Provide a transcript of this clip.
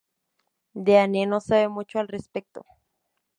Deane no sabe mucho al respecto.